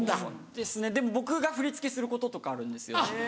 ですねでも僕が振り付けすることとかあるんです。